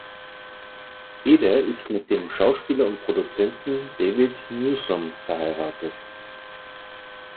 Heder ist mit dem Schauspieler und Produzenten David Newsom verheiratet.